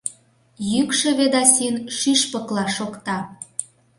Йӱкшӧ Ведасин шӱшпыкла шокта.